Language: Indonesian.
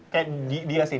kayak dia sih